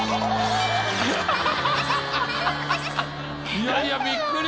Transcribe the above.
いやいやびっくり。